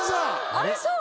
ありそう！